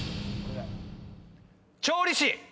調理師！